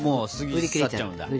売り切れちゃう。